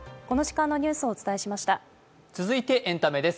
続いてエンタメです。